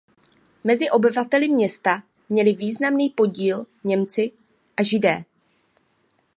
Mezi obyvateli města měli významný podíl Němci a Židé.